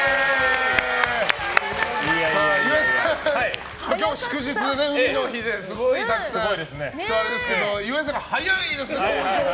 岩井さん、今日祝日、海の日ですごいたくさん人がいますけど岩井さん、登場が早いですね。